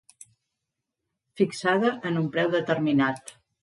Fixada en un preu determinat.